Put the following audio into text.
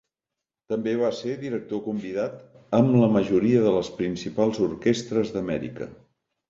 També va ser director convidat amb la majoria de les principals orquestres d'Amèrica.